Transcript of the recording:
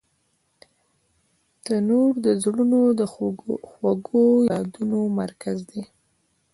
تنور د زړونو د خوږو یادونو مرکز دی